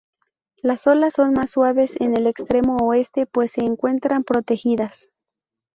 Las olas son más suaves en el extremo oeste pues se encuentran protegidas.